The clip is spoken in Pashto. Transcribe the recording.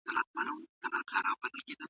که بوره ګرانه شي خلک به شکایت وکړي.